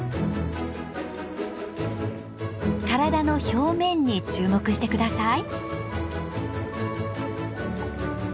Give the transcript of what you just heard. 体の表面に注目してください。